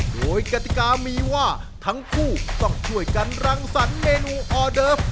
โดยกติกามีว่าทั้งคู่ต้องช่วยกันรังสรรคเมนูออเดิฟ